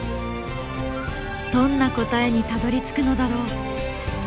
どんな答えにたどりつくのだろう。